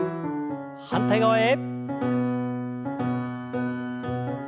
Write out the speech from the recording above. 反対側へ。